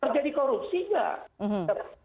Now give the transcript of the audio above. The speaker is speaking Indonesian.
terjadi korupsi nggak